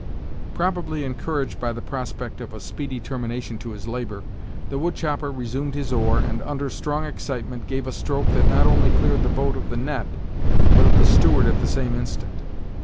Probably encouraged by the prospect of a speedy termination to his labor, the wood chopper resumed his oar, and, under strong excitement, gave a stroke that not only cleared the boat of the net but of the steward at the same instant.